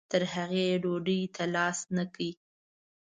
تر هغې یې ډوډۍ ته لاس نه کړ.